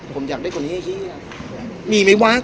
พี่อัดมาสองวันไม่มีใครรู้หรอก